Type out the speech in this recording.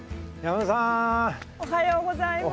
おはようございます。